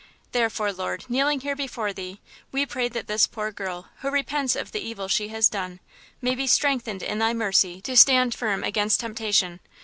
Therefore, Lord, kneeling here before Thee, we pray that this poor girl, who repents of the evil she has done, may be strengthened in Thy mercy to stand firm against temptation.